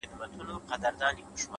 هوډ د نیمګړو امکاناتو بشپړونکی دی؛